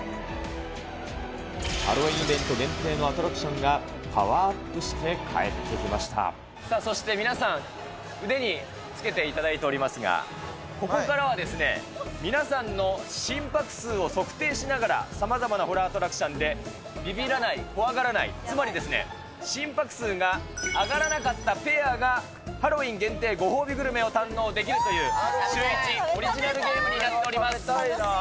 ハロウィーンイベント限定のアトラクションがパワーアップして帰そして皆さん、腕につけていただいておりますが、ここからは、皆さんの心拍数を測定しながら、さまざまなホラーアトラクションで、びびらない、怖がらない、つまり心拍数が上がらなかったペアが、ハロウィーン限定ご褒美グルメを堪能できるという、シューイチオ食べたいな。